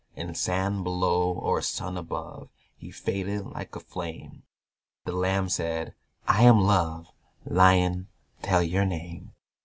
In sand below or sun above He faded like a flame. The Lamb said, "I am Love"; "Lion, tell your name."